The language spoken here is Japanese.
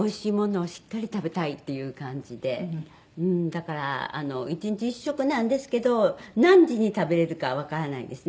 だから１日１食なんですけど何時に食べられるかわからないんですね。